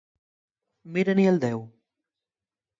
Míren-y el deu.